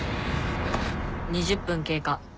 ２０分経過。